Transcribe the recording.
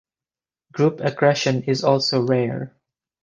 Group aggression is also rare.